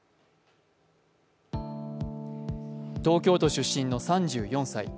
東京都出身の３４歳。